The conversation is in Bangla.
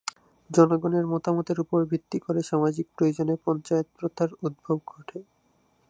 জনগণের মতামতের উপর ভিত্তি করে সামাজিক প্রয়োজনে পঞ্চায়েত প্রথার উদ্ভব ঘটে।